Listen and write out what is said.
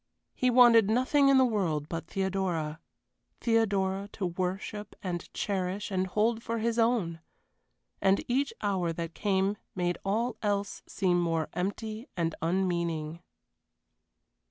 He wanted nothing in the world but Theodora. Theodora to worship and cherish and hold for his own. And each hour that came made all else seem more empty and unmeaning.